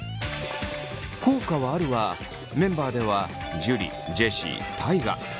「効果はある」はメンバーでは樹ジェシー大我。